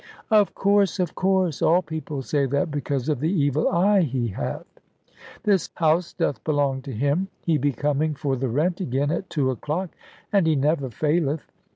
"Of course, of course. All people say that, because of the evil eye he hath. This house doth belong to him. He be coming for the rent again at two o'clock, and he never faileth.